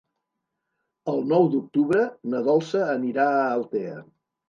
El nou d'octubre na Dolça anirà a Altea.